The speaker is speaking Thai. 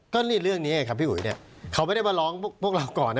ก็เรื่องนี้ไงครับพี่อุ๋ยเนี่ยเขาไม่ได้มาร้องพวกเราก่อนนะ